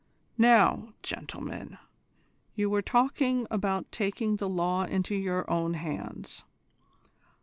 "Now, gentlemen, you were talking about taking the law into your own hands.